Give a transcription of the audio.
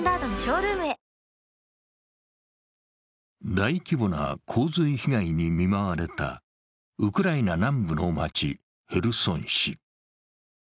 大規模な洪水被害に見舞われたウクライナ南部の街、ヘルソン市。